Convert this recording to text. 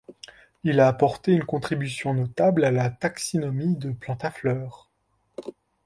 Il a apporté une contribution notable à la taxinomie de plantes à fleurs.